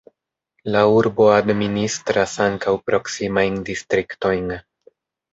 La urbo administras ankaŭ proksimajn distriktojn.